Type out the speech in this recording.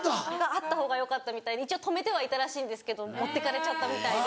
あった方がよかったみたいで留めてはいたらしいんですけど持っていかれちゃったみたいで。